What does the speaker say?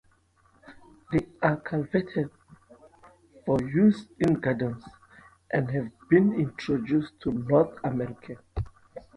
They are cultivated for use in gardens, and have been introduced to North America.